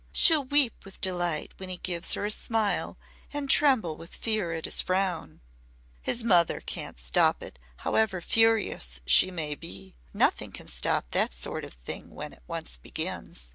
She'll 'weep with delight when he gives her a smile and tremble with fear at his frown.' His mother can't stop it, however furious she may be. Nothing can stop that sort of thing when it once begins."